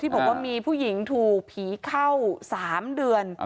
บอกว่ามีผู้หญิงถูกผีเข้า๓เดือน